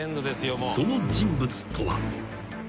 その人物とは］